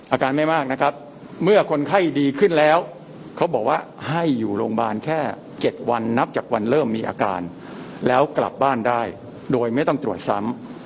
อาการไม่มากนะครับเมื่อคนไข้ดีขึ้นแล้วเขาบอกว่าให้อยู่โรงพยาบาลแค่๗วันนับจากวันเริ่มมีอาการแล้วกลับบ้านได้โดยไม่ต้องตรวจซ้ำ